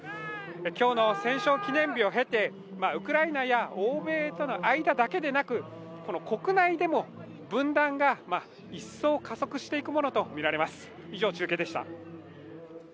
今日の戦勝記念日を経て、ウクライナや欧米との間だけでなく国内でも分断が一層加速していくものとみられます。